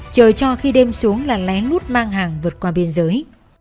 chờ cho khi đêm xuống là lén lút mang hàng vượt qua biên giới